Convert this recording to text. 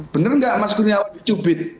benar nggak mas kurniawan dicubit